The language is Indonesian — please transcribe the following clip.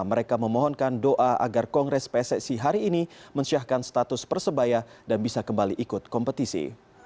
mereka memohonkan doa agar kongres pssi hari ini mensyahkan status persebaya dan bisa kembali ikut kompetisi